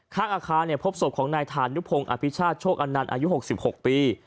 ข้างอาคารเนี่ยพบศพของนายธานยุพงศ์อภิชาชกอนันตร์อายุ๖๖ปี